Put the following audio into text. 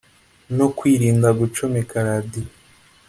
no kwirinda gucomeka radio